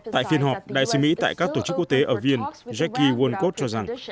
tại phiên họp đại sứ mỹ tại các tổ chức quốc tế ở viên jackie walcott cho rằng